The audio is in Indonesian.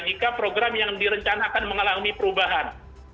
jika program yang direncanakan mengalami perubahan